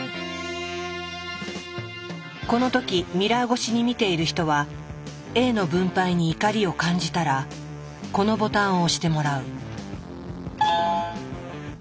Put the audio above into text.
この時ミラー越しに見ている人はＡの分配に怒りを感じたらこのボタンを押してもらう。